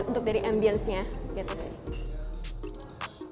untuk dari ambience nya gitu